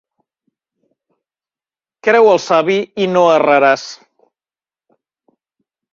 Creu el savi i no erraràs.